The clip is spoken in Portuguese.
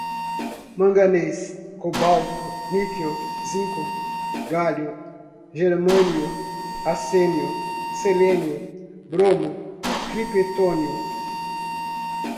escândio, vanádio, crômio, manganês, cobalto, níquel, zinco, gálio, germânio, arsênio, selênio, bromo, criptônio